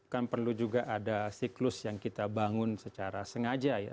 kan perlu juga ada siklus yang kita bangun secara sengaja ya